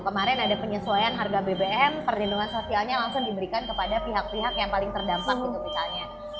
kemarin ada penyesuaian harga bbm perlindungan sosialnya langsung diberikan kepada pihak pihak yang paling terdampak gitu misalnya